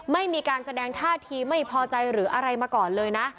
ไม่มีการแสดงท่าทีไม่พอใจหรืออะไรมาก่อนเลยนะ